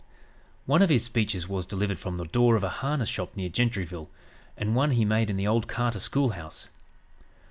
One of his speeches was delivered from the door of a harness shop near Gentryville, and one he made in the "Old Carter Schoolhouse."